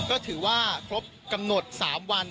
ก็ถือว่าครบกำหนด๓วัน